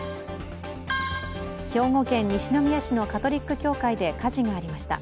兵庫県西宮市のカトリック教会で火事がありました。